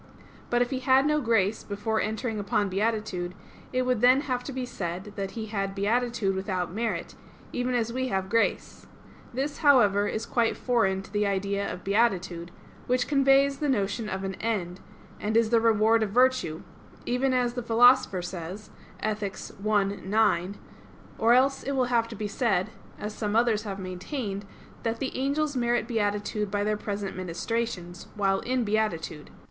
But if he had no grace before entering upon beatitude, it would then have to be said that he had beatitude without merit, even as we have grace. This, however, is quite foreign to the idea of beatitude; which conveys the notion of an end, and is the reward of virtue, as even the Philosopher says (Ethic. i, 9). Or else it will have to be said, as some others have maintained, that the angels merit beatitude by their present ministrations, while in beatitude.